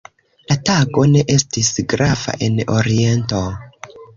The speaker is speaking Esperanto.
La tago ne estis grava en Oriento.